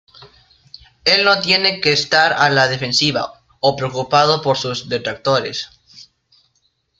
Él no tiene que estar a la defensiva, o preocupado por sus detractores.